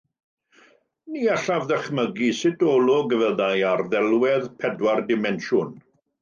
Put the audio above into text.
Ni allaf ddychmygu sut olwg fyddai ar ddelwedd pedwar dimensiwn.